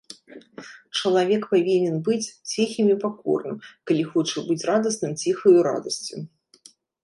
Чалавек павінен быць ціхім і пакорным, калі хоча быць радасным ціхаю радасцю.